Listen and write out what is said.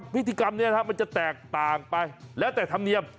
พิธีกรรมนี้มันจะแตกต่างไปแล้วแต่ธรรมเนียม